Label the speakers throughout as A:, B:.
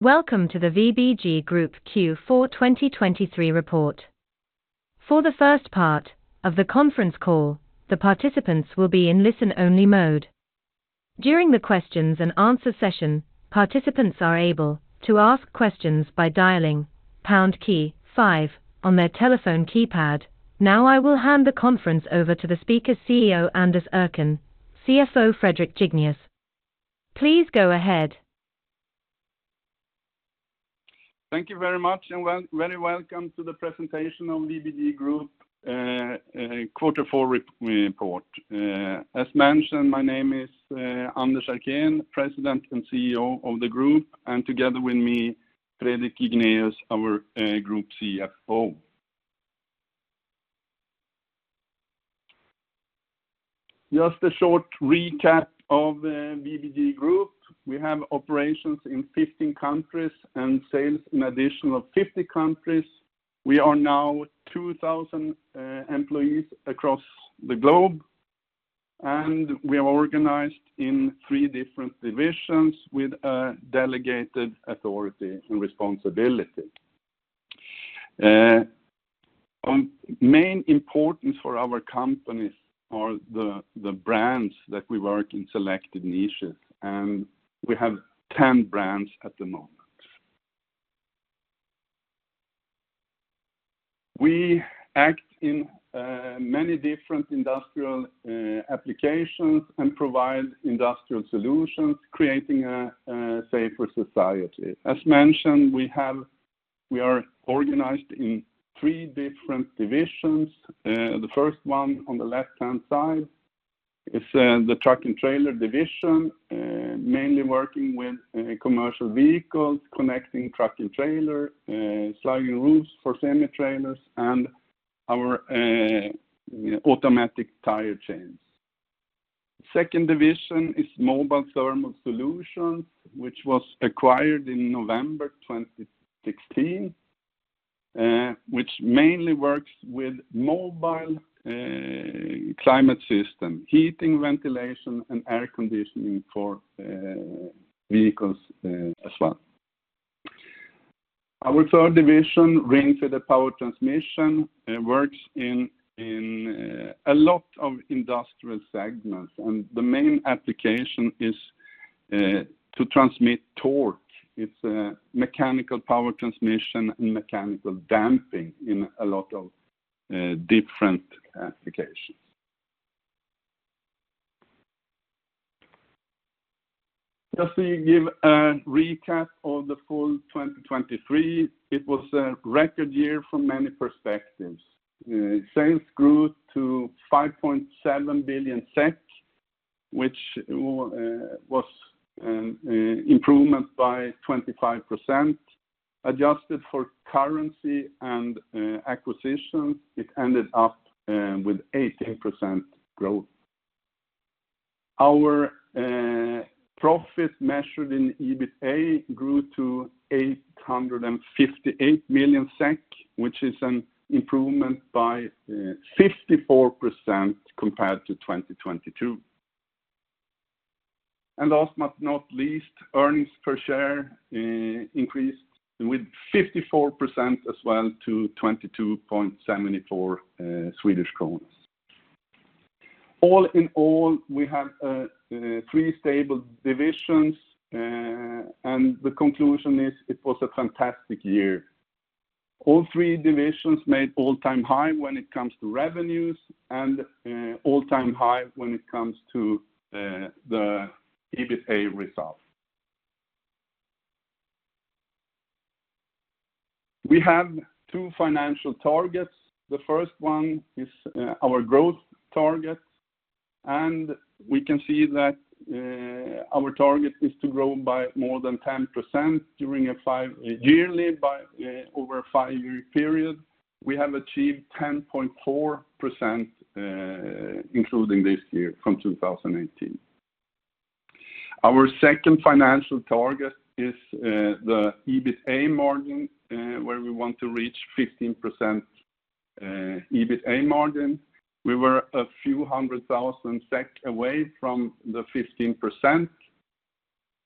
A: Welcome to the VBG Group Q4 2023 report. For the first part of the conference call, the participants will be in listen-only mode. During the questions-and-answers session, participants are able to ask questions by dialing pound key five on their telephone keypad. Now I will hand the conference over to the speaker's CEO Anders Erkén, CFO Fredrik Jignéus. Please go ahead.
B: Thank you very much, and very welcome to the presentation of VBG Group Q4 report. As mentioned, my name is Anders Erkén, President and CEO of the group, and together with me Fredrik Jignéus, our group CFO. Just a short recap of VBG Group: we have operations in 15 countries and sales in an additional 50 countries. We are now 2,000 employees across the globe, and we are organized in three different divisions with a delegated authority and responsibility. Main importance for our companies are the brands that we work in selected niches, and we have 10 brands at the moment. We act in many different industrial applications and provide industrial solutions, creating a safer society. As mentioned, we are organized in three different divisions. The first one on the left-hand side is the Truck and Trailer Division, mainly working with commercial vehicles, connecting Truck and Trailer, sliding roofs for semi-trailers, and our automatic tire chains. Second division is Mobile Thermal Solutions, which was acquired in November 2016, which mainly works with mobile climate system heating, ventilation, and air conditioning for vehicles as well. Our third division, Ringfeder Power Transmission, works in a lot of industrial segments, and the main application is to transmit torque. It's mechanical power transmission and mechanical damping in a lot of different applications. Just to give a recap of the full 2023, it was a record year from many perspectives. Sales grew to 5.7 billion, which was an improvement by 25%. Adjusted for currency and acquisitions, it ended up with 18% growth. Our profit measured in EBITA grew to 858 million SEK, which is an improvement by 54% compared to 2022. Last but not least, earnings per share increased with 54% as well to 22.74 Swedish kronor. All in all, we had three stable divisions, and the conclusion is it was a fantastic year. All three divisions made all-time high when it comes to revenues and all-time high when it comes to the EBITA result. We have two financial targets. The first one is our growth target, and we can see that our target is to grow by more than 10% yearly over a five-year period. We have achieved 10.4% including this year from 2018. Our second financial target is the EBITA margin, where we want to reach 15% EBITA margin. We were a few hundred thousand SEK away from the 15%.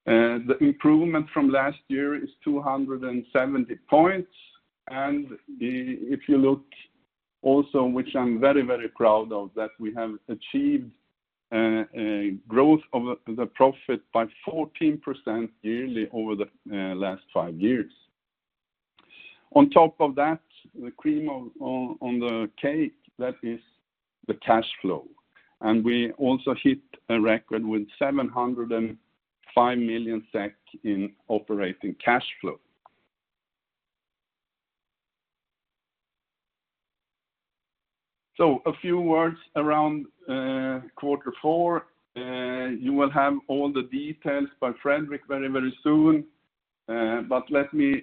B: The improvement from last year is 270 points. If you look also, which I'm very, very proud of, that we have achieved growth of the profit by 14% yearly over the last five years. On top of that, the cream on the cake that is the cash flow. We also hit a record with 705 million SEK in operating cash flow. A few words around quarter four. You will have all the details by Fredrik very, very soon. But let me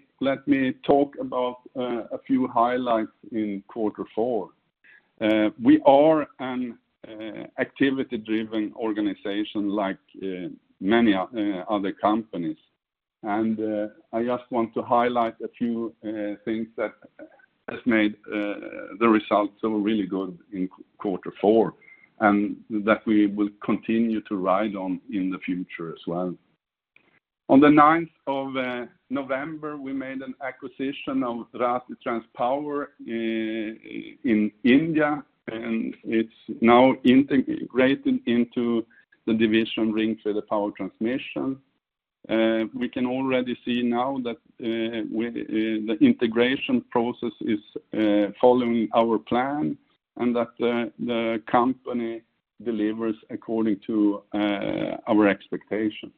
B: talk about a few highlights in quarter four. We are an activity-driven organization like many other companies. I just want to highlight a few things that has made the result so really good in quarter four and that we will continue to ride on in the future as well. On the 9th of November, we made an acquisition of Rathi Transpower in India, and it's now integrated into the division Ringfeder Power Transmission. We can already see now that the integration process is following our plan and that the company delivers according to our expectations.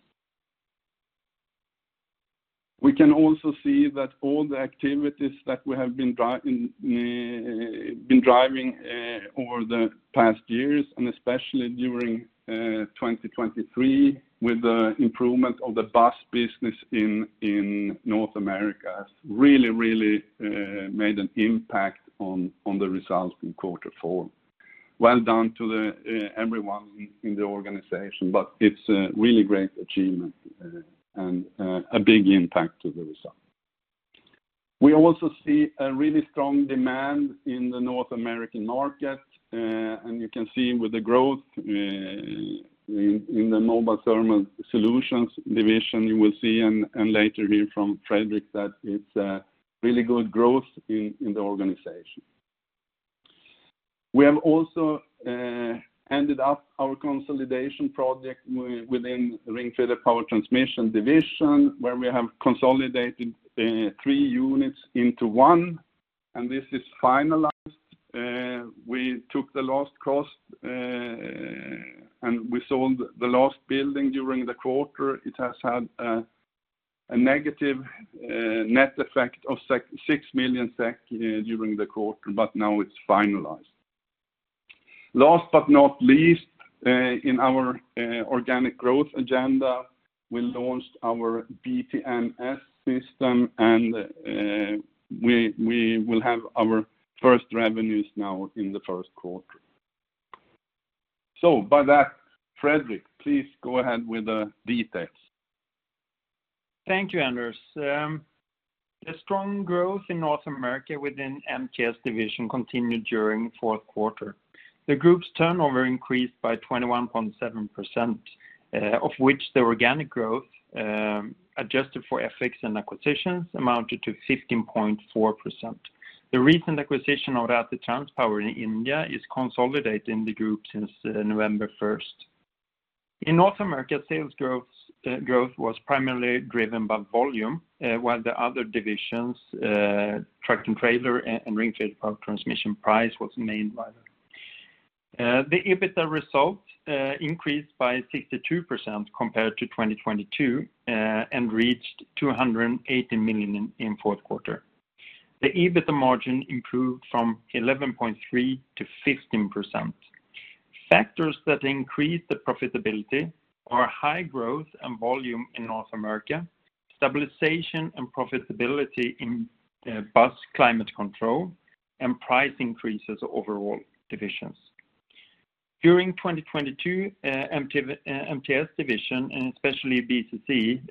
B: We can also see that all the activities that we have been driving over the past years, and especially during 2023 with the improvement of the bus business in North America, has really, really made an impact on the result in quarter four. Well done to everyone in the organization, but it's a really great achievement and a big impact to the result. We also see a really strong demand in the North American market. And you can see with the growth in the Mobile Thermal Solutions division, you will see and later hear from Fredrik that it's really good growth in the organization. We have also ended up our consolidation project within Ringfeder Power Transmission division, where we have consolidated 3 units into one. This is finalized. We took the lease cost and we sold the leased building during the quarter. It has had a negative net effect of 6 million SEK during the quarter, but now it's finalized. Last but not least, in our organic growth agenda, we launched our BTMS system, and we will have our first revenues now in the first quarter. So by that, Fredrik, please go ahead with the details.
C: Thank you, Anders. The strong growth in North America within MTS division continued during fourth quarter. The group's turnover increased by 21.7%, of which the organic growth adjusted for FX and acquisitions amounted to 15.4%. The recent acquisition of Rathi Transpower in India is consolidating the group since November 1st. In North America, sales growth was primarily driven by volume, while the other divisions, Truck and Trailer and Ringfeder Power Transmission, price was main driver. The EBITA result increased by 62% compared to 2022 and reached 280 million in fourth quarter. The EBITA margin improved from 11.3% to 15%. Factors that increase the profitability are high growth and volume in North America, stabilization and profitability in bus climate control, and price increases overall divisions. During 2022, MTS division, and especially MCC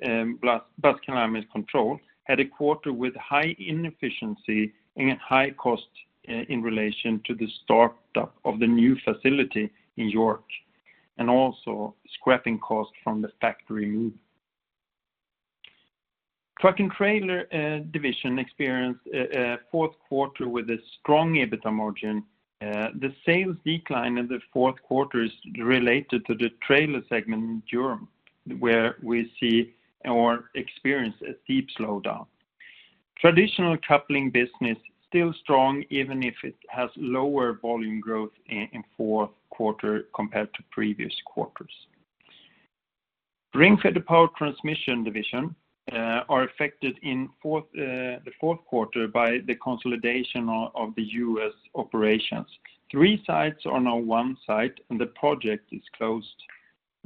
C: bus climate control, had a quarter with high inefficiency and high cost in relation to the startup of the new facility in York and also scrapping costs from the factory move. Truck and Trailer Division experienced fourth quarter with a strong EBITA margin. The sales decline in the fourth quarter is related to the trailer segment in Europe, where we see or experience a deep slowdown. Traditional coupling business is still strong, even if it has lower volume growth in fourth quarter compared to previous quarters. Ringfeder Power Transmission division is affected in the fourth quarter by the consolidation of the U.S. operations. Three sites are now one site, and the project is closed.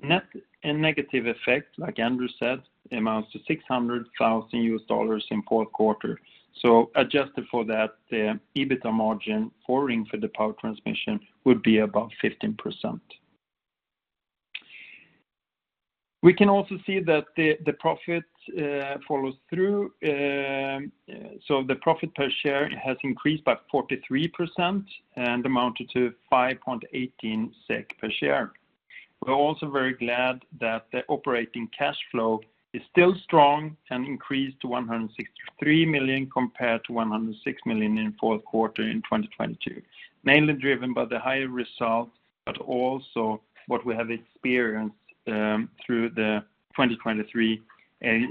C: A negative effect, like Anders said, amounts to $600,000 in fourth quarter. So adjusted for that, the EBITA margin for Ringfeder Power Transmission would be above 15%. We can also see that the profit follows through. So the profit per share has increased by 43% and amounted to 5.18 SEK per share. We're also very glad that the operating cash flow is still strong and increased to 163 million compared to 106 million in fourth quarter in 2022, mainly driven by the higher result but also what we have experienced through the 2023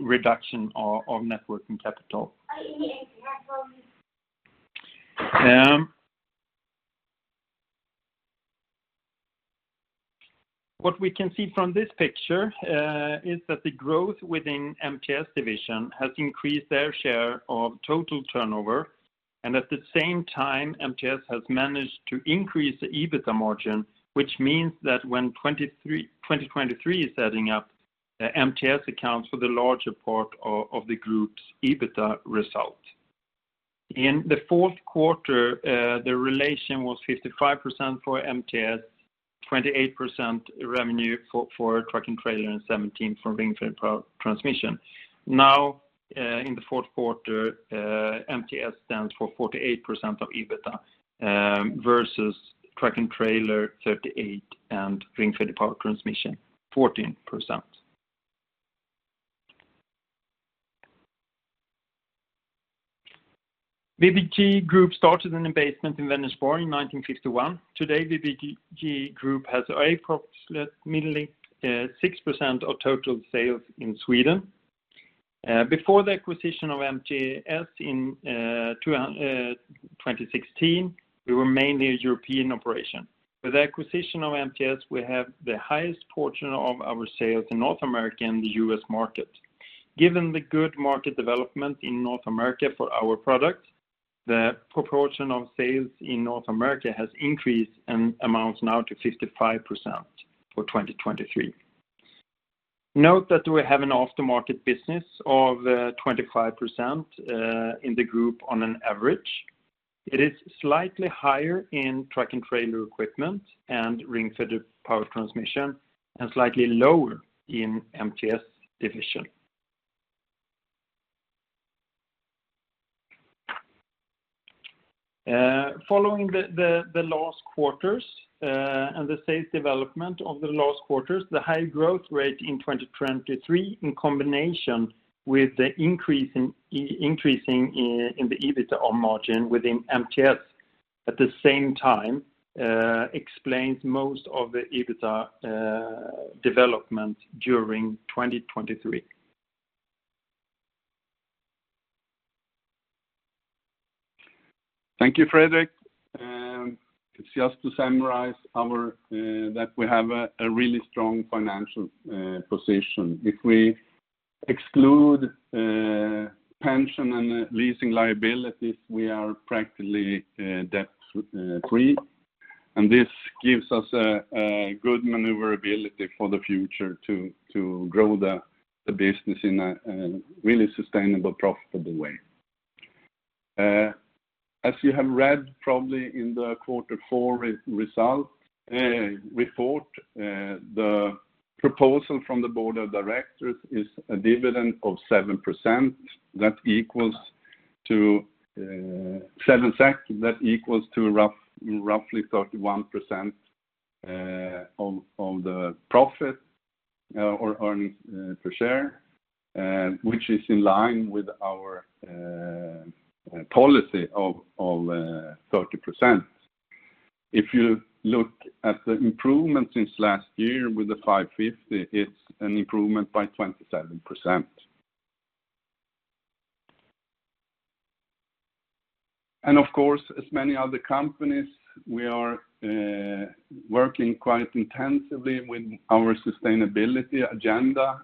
C: reduction of net working capital. What we can see from this picture is that the growth within MTS division has increased their share of total turnover and at the same time, MTS has managed to increase the EBITA margin, which means that when 2023 is said and done, MTS accounts for the larger part of the group's EBITA result. In the fourth quarter, the relation was 55% for MTS, 28% revenue for Truck and Trailer, and 17% for Ringfeder Power Transmission. Now, in the fourth quarter, MTS stands for 48% of EBITA versus Truck and Trailer, 38%, and Ringfeder Power Transmission, 14%. VBG Group started an investment in Vänersborg in 1951. Today, VBG Group has approximately 6% of total sales in Sweden. Before the acquisition of MTS in 2016, we were mainly a European operation. With the acquisition of MTS, we have the highest portion of our sales in North America and the U.S. market. Given the good market development in North America for our product, the proportion of sales in North America has increased and amounts now to 55% for 2023. Note that we have an aftermarket business of 25% in the group on an average. It is slightly higher in Truck and Trailer Equipment and Ringfeder Power Transmission and slightly lower in MTS division. Following the last quarters and the sales development of the last quarters, the high growth rate in 2023 in combination with the increase in the EBITA margin within MTS at the same time explains most of the EBITA development during 2023.
B: Thank you, Fredrik. It's just to summarize that we have a really strong financial position. If we exclude pension and leasing liabilities, we are practically debt-free. And this gives us a good maneuverability for the future to grow the business in a really sustainable, profitable way. As you have read probably in the quarter four report, the proposal from the board of directors is a dividend of 7% that equals to 7 SEK that equals to roughly 31% of the profit or earnings per share, which is in line with our policy of 30%. If you look at the improvements since last year with the 550, it's an improvement by 27%. And of course, as many other companies, we are working quite intensively with our sustainability agenda.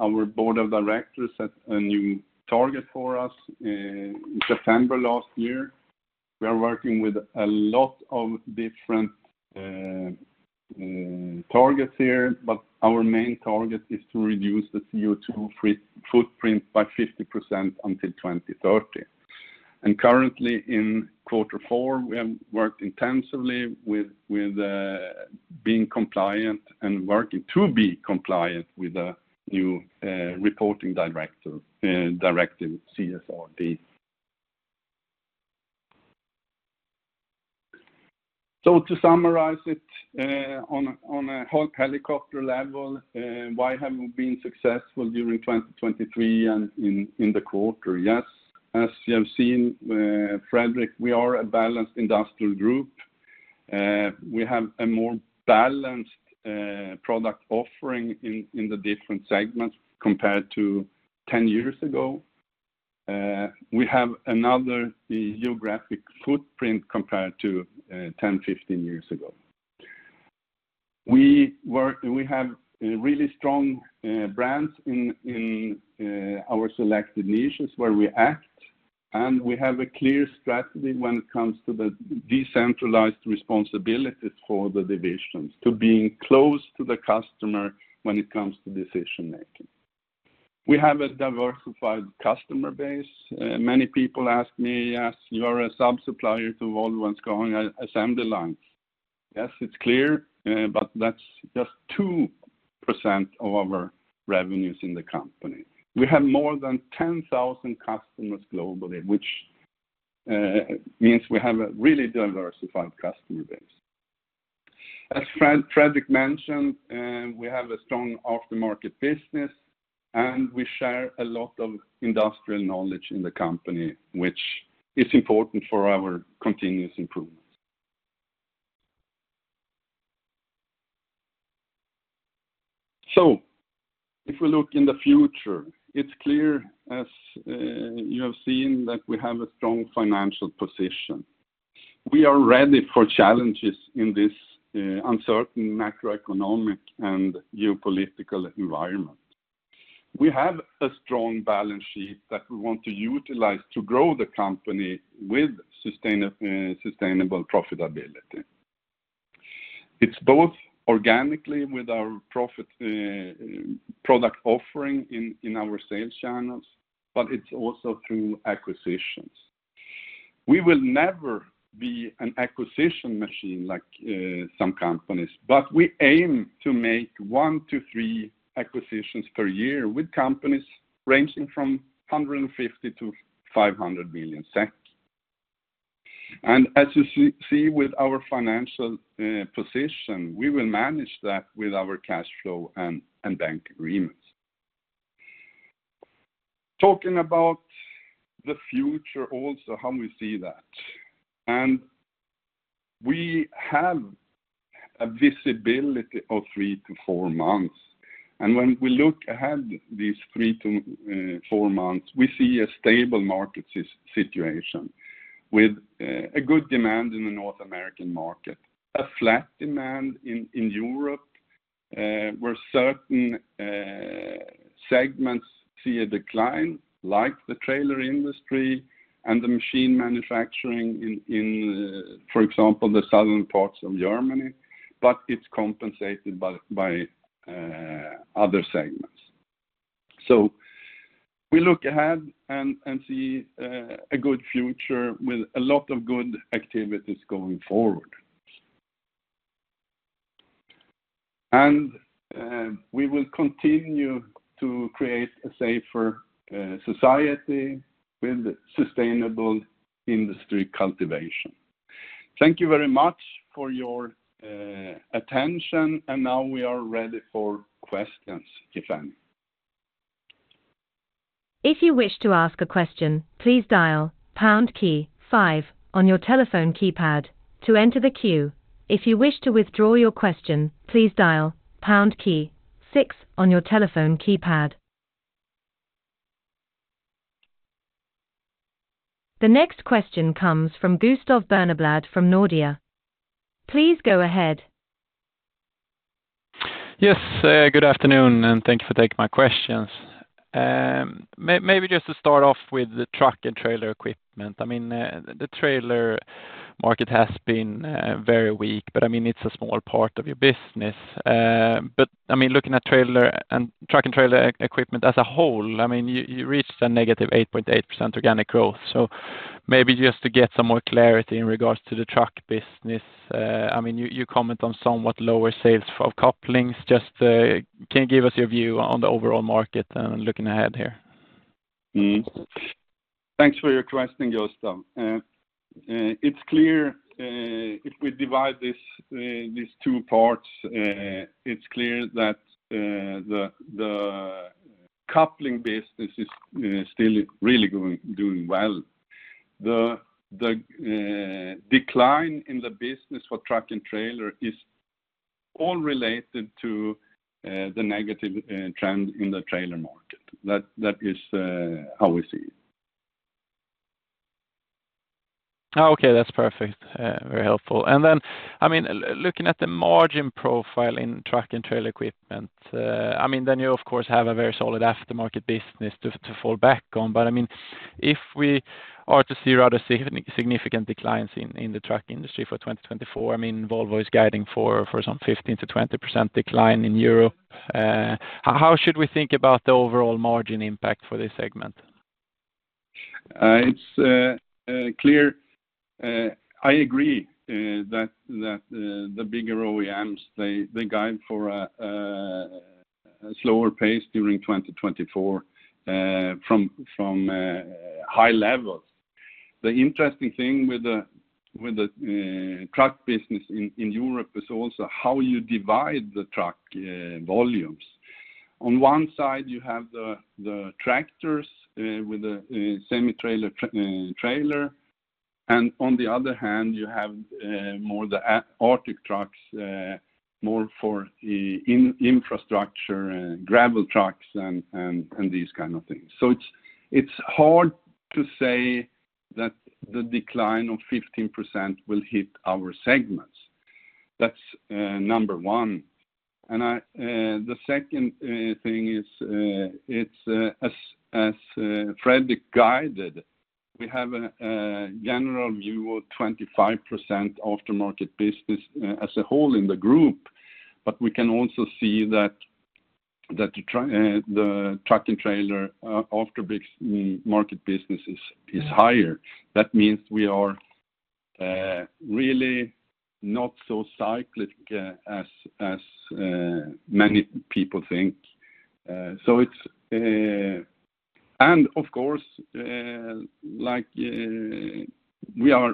B: Our Board of Directors set a new target for us in September last year. We are working with a lot of different targets here, but our main target is to reduce the CO2 footprint by 50% until 2030. Currently, in quarter four, we have worked intensively with being compliant and working to be compliant with the new reporting directive, CSRD. To summarize it on a helicopter level, why have we been successful during 2023 and in the quarter? Yes. As you have seen, Fredrik, we are a balanced industrial group. We have a more balanced product offering in the different segments compared to 10 years ago. We have another geographic footprint compared to 10, 15 years ago. We have really strong brands in our selected niches where we act. We have a clear strategy when it comes to the decentralized responsibilities for the divisions, to being close to the customer when it comes to decision-making. We have a diversified customer base. Many people ask me, "Yes, you are a sub supplier to Volvo and Scania assembly lines." Yes, it's clear, but that's just 2% of our revenues in the company. We have more than 10,000 customers globally, which means we have a really diversified customer base. As Fredrik mentioned, we have a strong aftermarket business, and we share a lot of industrial knowledge in the company, which is important for our continuous improvements. So if we look in the future, it's clear, as you have seen, that we have a strong financial position. We are ready for challenges in this uncertain macroeconomic and geopolitical environment. We have a strong balance sheet that we want to utilize to grow the company with sustainable profitability. It's both organically with our product offering in our sales channels, but it's also through acquisitions. We will never be an acquisition machine like some companies, but we aim to make 1-3 acquisitions per year with companies ranging from 150-500 million SEK. As you see with our financial position, we will manage that with our cash flow and bank agreements. Talking about the future also, how we see that. We have a visibility of 3-4 months. When we look ahead these 3-4 months, we see a stable market situation with a good demand in the North American market, a flat demand in Europe, where certain segments see a decline like the trailer industry and the machine manufacturing in, for example, the southern parts of Germany, but it's compensated by other segments. We look ahead and see a good future with a lot of good activities going forward. We will continue to create a safer society with sustainable industry cultivation. Thank you very much for your attention. Now we are ready for questions, if any.
A: If you wish to ask a question, please dial pound key five on your telephone keypad to enter the queue. If you wish to withdraw your question, please dial pound key six on your telephone keypad. The next question comes from Gustav Berneblad from Nordea. Please go ahead.
D: Yes. Good afternoon, and thank you for taking my questions. Maybe just to start off with the Truck and Trailer Equipment. I mean, the trailer market has been very weak, but I mean, it's a small part of your business. But I mean, looking at Truck and Trailer Equipment as a whole, I mean, you reached a -8.8% organic growth. So maybe just to get some more clarity in regards to the truck business, I mean, you comment on somewhat lower sales of couplings. Just can you give us your view on the overall market and looking ahead here?
B: Thanks for your question, Gustav. It's clear if we divide these two parts, it's clear that the coupling business is still really doing well. The decline in the business for Truck and Trailer is all related to the negative trend in the trailer market. That is how we see it.
D: Okay. That's perfect. Very helpful. And then, I mean, looking at the margin profile in Truck and Trailer Equipment, I mean, then you, of course, have a very solid aftermarket business to fall back on. But I mean, if we are to see rather significant declines in the truck industry for 2024, I mean, Volvo is guiding for some 15%-20% decline in Europe. How should we think about the overall margin impact for this segment?
B: It's clear. I agree that the bigger OEMs, they guide for a slower pace during 2024 from high levels. The interesting thing with the truck business in Europe is also how you divide the truck volumes. On one side, you have the tractors with the semi-trailer trailer. And on the other hand, you have more the Artic trucks, more for infrastructure, gravel trucks, and these kind of things. So it's hard to say that the decline of 15% will hit our segments. That's number one. And the second thing is, as Fredrik guided, we have a general view of 25% aftermarket business as a whole in the group. But we can also see that the Truck and Trailer aftermarket business is higher. That means we are really not so cyclic as many people think. And of course, we are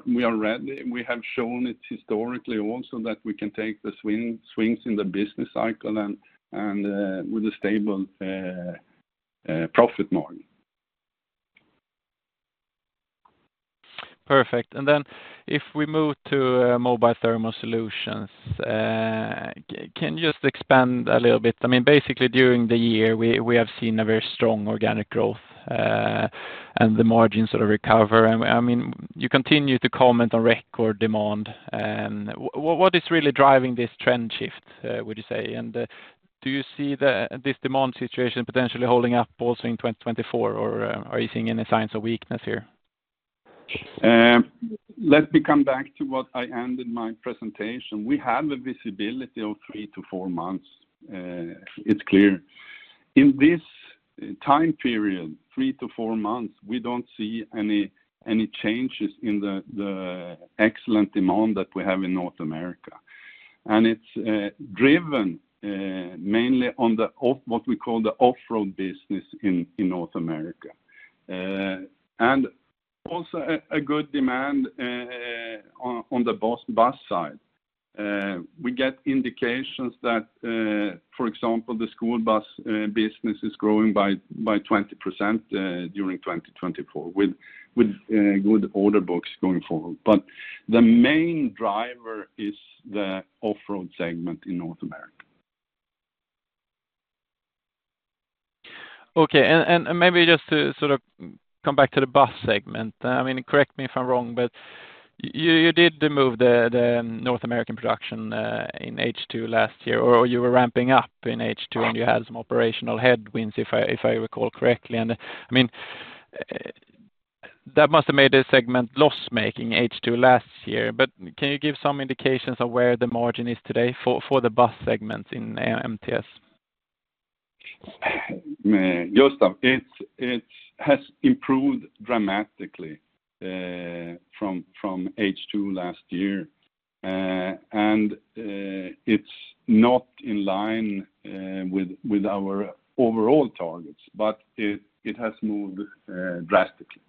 B: ready. We have shown it historically also that we can take the swings in the business cycle and with a stable profit margin.
D: Perfect. Then if we move to Mobile Thermal Solutions, can you just expand a little bit? I mean, basically, during the year, we have seen a very strong organic growth and the margins sort of recover. I mean, you continue to comment on record demand. What is really driving this trend shift, would you say? And do you see this demand situation potentially holding up also in 2024, or are you seeing any signs of weakness here?
B: Let me come back to what I ended my presentation. We have a visibility of 3-4 months. It's clear. In this time period, 3-4 months, we don't see any changes in the excellent demand that we have in North America. And it's driven mainly on what we call the off-road business in North America and also a good demand on the bus side. We get indications that, for example, the school bus business is growing by 20% during 2024 with good order books going forward. But the main driver is the off-road segment in North America.
D: Okay. And maybe just to sort of come back to the bus segment. I mean, correct me if I'm wrong, but you did move the North American production in H2 last year, or you were ramping up in H2, and you had some operational headwinds, if I recall correctly. And I mean, that must have made the segment loss-making H2 last year. But can you give some indications of where the margin is today for the bus segments in MTS?
B: Gustav, it has improved dramatically from H2 last year. It's not in line with our overall targets, but it has moved drastically.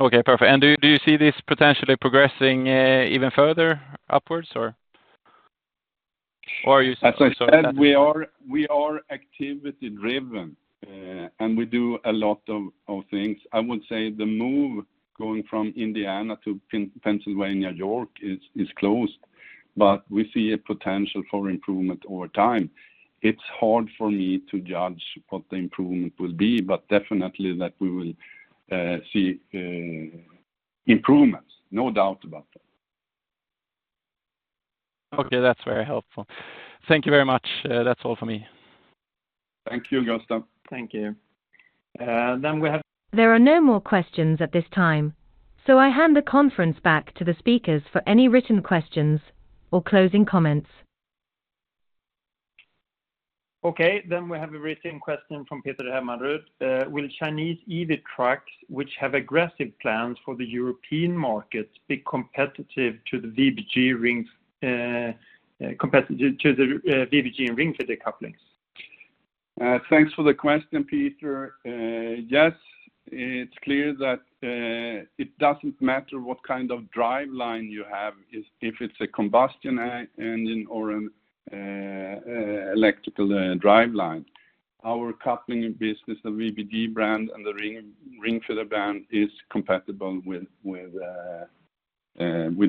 D: Okay. Perfect. And do you see this potentially progressing even further upwards, or are you?
B: As I said, we are activity-driven, and we do a lot of things. I would say the move going from Indiana to Pennsylvania, York, is closed, but we see a potential for improvement over time. It's hard for me to judge what the improvement will be, but definitely that we will see improvements, no doubt about that.
D: Okay. That's very helpful. Thank you very much. That's all for me.
B: Thank you, Gustav.
C: Thank you. Then we have.
A: There are no more questions at this time, so I hand the conference back to the speakers for any written questions or closing comments.
C: Okay. Then we have a written question from Peter Hammarud. Will Chinese EV trucks, which have aggressive plans for the European markets, be competitive to the VBG Ringfeder couplings?
B: Thanks for the question, Peter. Yes. It's clear that it doesn't matter what kind of driveline you have, if it's a combustion engine or an electrical driveline. Our coupling business, the VBG brand and the Ringfeder brand, is compatible with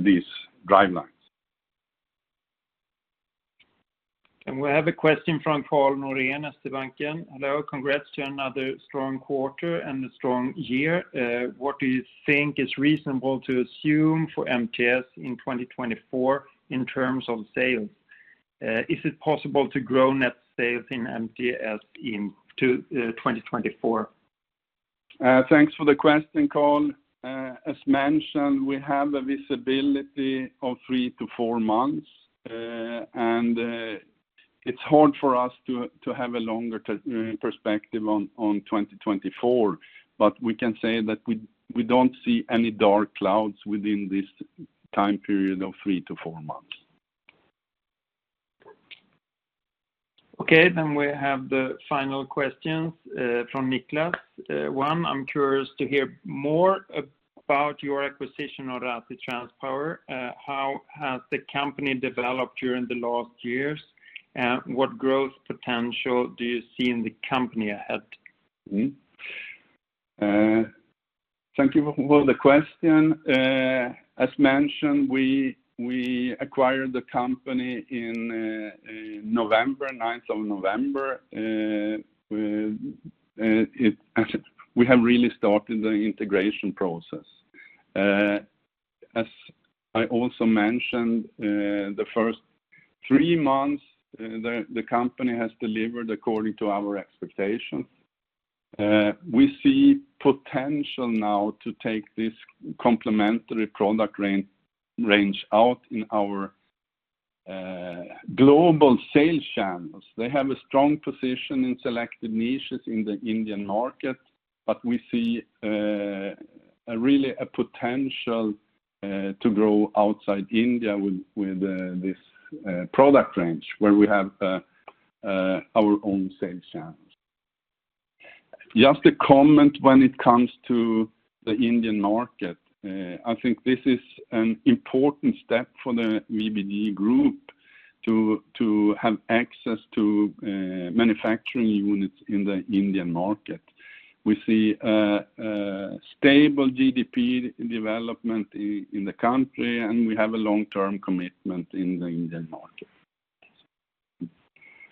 B: these drivelines.
C: We have a question from Karl Norén, SEB. Hello. Congrats to another strong quarter and a strong year. What do you think is reasonable to assume for MTS in 2024 in terms of sales? Is it possible to grow net sales in MTS to 2024?
B: Thanks for the question, Karl. As mentioned, we have a visibility of 3-4 months. It's hard for us to have a longer perspective on 2024, but we can say that we don't see any dark clouds within this time period of 3-4 months.
C: Okay. Then we have the final questions from Niklas. One, I'm curious to hear more about your acquisition of Rathi Transpower. How has the company developed during the last years, and what growth potential do you see in the company ahead?
B: Thank you for the question. As mentioned, we acquired the company on the 9th of November. We have really started the integration process. As I also mentioned, the first three months, the company has delivered according to our expectations. We see potential now to take this complementary product range out in our global sales channels. They have a strong position in selected niches in the Indian market, but we see really a potential to grow outside India with this product range where we have our own sales channels. Just a comment when it comes to the Indian market. I think this is an important step for the VBG Group to have access to manufacturing units in the Indian market. We see stable GDP development in the country, and we have a long-term commitment in the Indian market.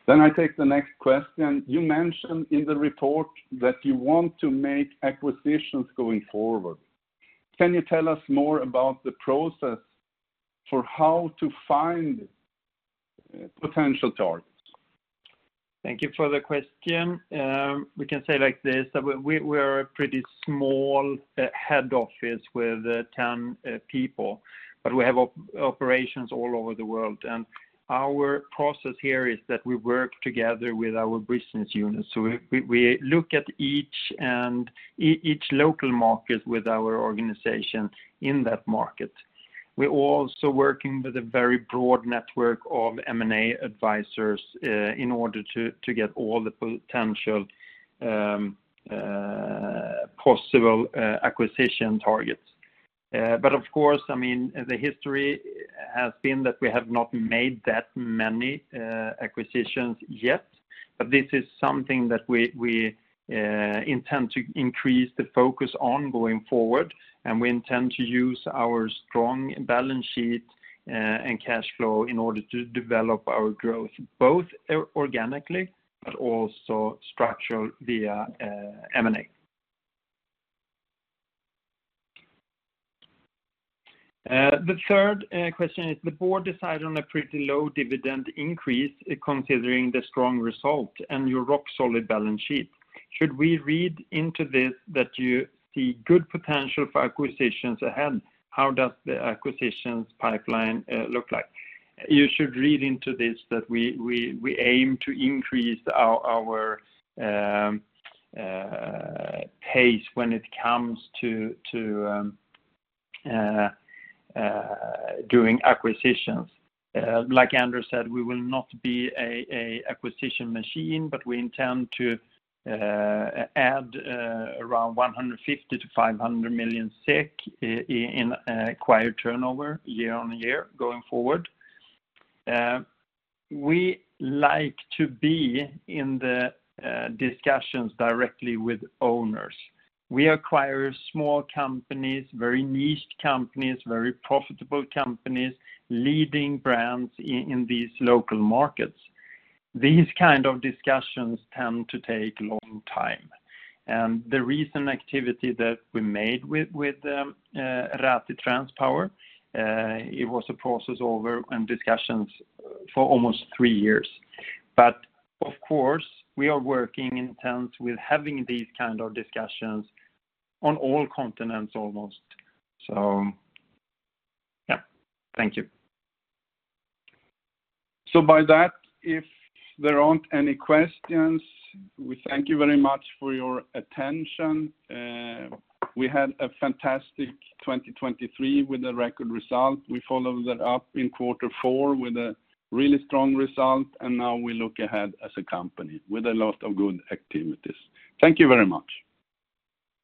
B: Then I take the next question. You mentioned in the report that you want to make acquisitions going forward. Can you tell us more about the process for how to find potential targets?
C: Thank you for the question. We can say like this. We are a pretty small head office with 10 people, but we have operations all over the world. Our process here is that we work together with our business units. We look at each local market with our organization in that market. We're also working with a very broad network of M&A advisors in order to get all the potential possible acquisition targets. But of course, I mean, the history has been that we have not made that many acquisitions yet. But this is something that we intend to increase the focus on going forward, and we intend to use our strong balance sheet and cash flow in order to develop our growth both organically but also structurally via M&A. The third question is, "The board decided on a pretty low dividend increase considering the strong result and your rock-solid balance sheet. Should we read into this that you see good potential for acquisitions ahead? How does the acquisitions pipeline look like?" You should read into this that we aim to increase our pace when it comes to doing acquisitions. Like Anders said, we will not be an acquisition machine, but we intend to add around 150 million-500 million SEK in acquired turnover year-on-year going forward. We like to be in the discussions directly with owners. We acquire small companies, very niche companies, very profitable companies, leading brands in these local markets. These kind of discussions tend to take long time. The recent activity that we made with Rathi Transpower, it was a process over and discussions for almost three years. But of course, we are working intensely with having these kind of discussions on all continents almost. So yeah. Thank you. So by that, if there aren't any questions, we thank you very much for your attention. We had a fantastic 2023 with a record result. We followed that up in quarter four with a really strong result, and now we look ahead as a company with a lot of good activities. Thank you very much.